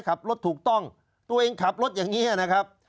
ขับรถถูกต้องตัวเองขับรถอย่างนี้นะครับ